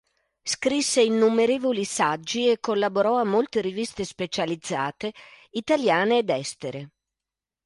Scrisse innumerevoli saggi e collaborò a molte riviste specializzate italiane ed estere.